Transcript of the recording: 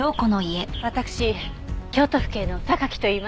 私京都府警の榊といいます。